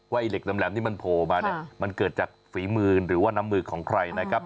ไอ้เหล็กแหลมที่มันโผล่มาเนี่ยมันเกิดจากฝีมือหรือว่าน้ำมือของใครนะครับ